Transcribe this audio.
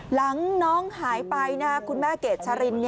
น้องหายไปคุณแม่เกดชริน